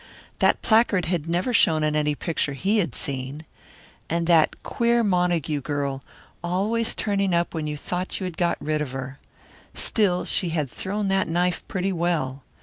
That placard had never shown in any picture he had seen. And that queer Montague girl, always turning up when you thought you had got rid of her. Still, she had thrown that knife pretty well.